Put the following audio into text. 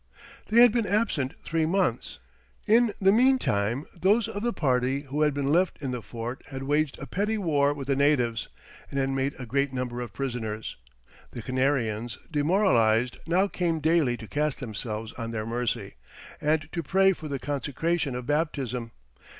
They had been absent three months. In the meantime, those of the party who had been left in the fort had waged a petty war with the natives, and had made a great number of prisoners. The Canarians, demoralized, now came daily to cast themselves on their mercy, and to pray for the consecration of baptism.